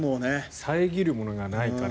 遮るものがないから。